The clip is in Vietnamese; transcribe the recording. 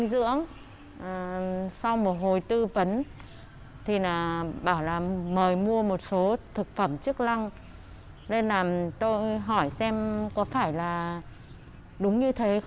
đúng như thế không